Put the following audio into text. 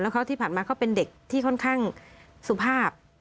เขาที่ผ่านมาเขาเป็นเด็กที่ค่อนข้างสุภาพ